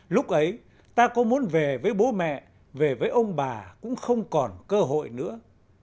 lúc ấy ta có muốn về với bố mẹ về với ông bà cũng không còn cơ hội nữa